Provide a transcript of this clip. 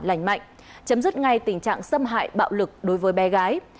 lành mạnh chấm dứt ngay tình trạng xâm hại bạo lực đối với bé gái